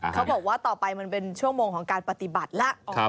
เขาบอกว่าต่อไปมันเป็นชั่วโมงของการปฏิบัติแล้ว